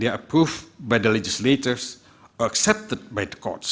mereka diperoleh oleh legislatif atau diperoleh oleh kudus